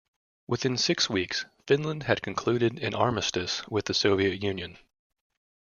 Within six weeks, Finland had concluded an armistice with the Soviet Union.